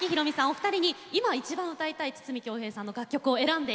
お二人に今一番歌いたい筒美京平さんの楽曲を選んで頂きました。